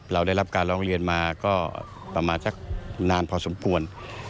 เราได้รับการร้องเรียนมาก็ประมาณสักนานพอสมควร